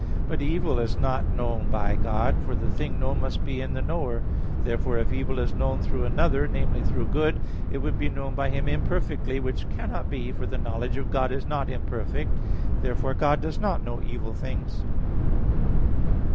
But evil is not known by God; for the thing known must be in the knower. Therefore if evil is known through another, namely, through good, it would be known by Him imperfectly; which cannot be, for the knowledge of God is not imperfect. Therefore God does not know evil things.